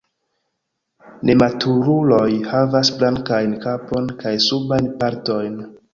Nematuruloj havas blankajn kapon kaj subajn partojn.